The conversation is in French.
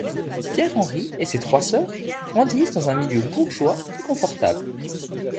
Pierre Henri et ses trois sœurs grandissent dans un milieu bourgeois et confortable.